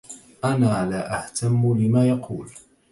أنا لا أهتم لما يقول.